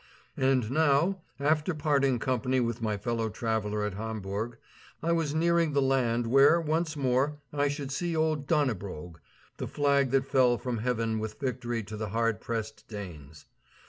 And now, after parting company with my fellow traveller at Hamburg, I was nearing the land where once more I should see old Dannebrog, the flag that fell from heaven with victory to the hard pressed Danes.